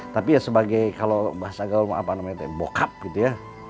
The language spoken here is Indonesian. tapi ya sebagai kalau bahasa gaul apa namanya bokap gitu ya